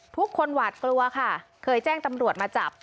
หวาดกลัวค่ะเคยแจ้งตำรวจมาจับ